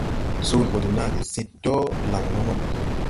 Soole ɓɔ de naage sid dɔɔ laŋ nono.